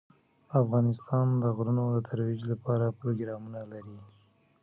افغانستان د غرونه د ترویج لپاره پروګرامونه لري.